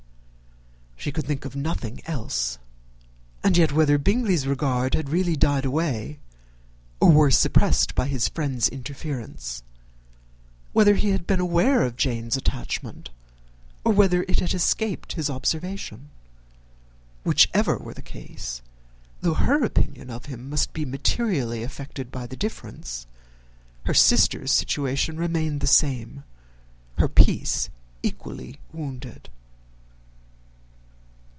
She could think of nothing else; and yet, whether Bingley's regard had really died away, or were suppressed by his friends' interference; whether he had been aware of Jane's attachment, or whether it had escaped his observation; whichever were the case, though her opinion of him must be materially affected by the difference, her sister's situation remained the same, her peace equally wounded.